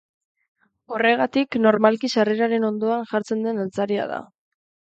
Horregatik normalki sarreraren ondoan jartzen den altzaria da.